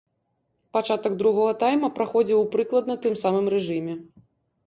Пачатак другога тайма праходзіў у прыкладна тым самым рэжыме.